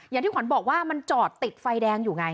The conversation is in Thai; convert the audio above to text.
อย่างที่ขวัญบอกว่ามันจอดติดไฟแดงอยู่ไง